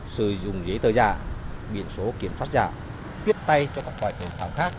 sử dụng giấy tờ giả biển số kiểm soát giả tiết tay cho các loài phụ tùng khác